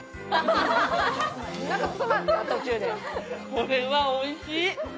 これはおいしい。